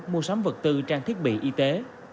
mua sắm vật tư trang thiết bị y tế